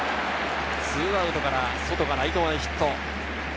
２アウトからソトがライト前ヒット。